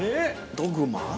◆ドグマ？